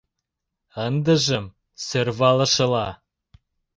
Ындыжым — сӧрвалышыла.